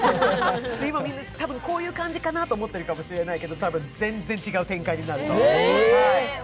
今、こういう感じかなと思ってるかもしれないけど全然違う展開になるから。